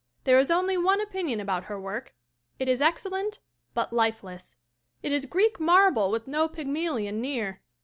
There is only one opinion about her work: it is excellent but lifeless; it is Greek marble with no Pygmalion near.